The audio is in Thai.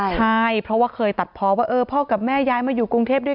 ใช่เพราะว่าเคยตัดเพราะว่าพ่อกับแม่ย้ายมาอยู่กรุงเทพด้วย